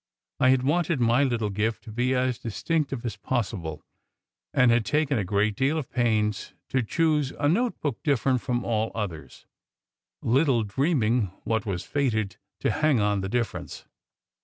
I had wanted my little gift to be as distinctive as possible, and had taken a great deal of pains to choose a notebook different from all others, little dreaming what was fated to hang on the difference.